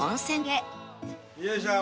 よいしょ。